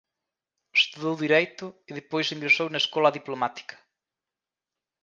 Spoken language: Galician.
Estudou Dereito e despois ingresou na Escola Diplomática.